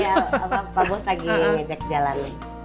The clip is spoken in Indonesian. iya pak bos lagi ngajak jalan